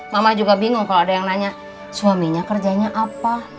mama juga bingung kalau ada yang nanya suaminya kerjanya apa